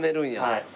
はい。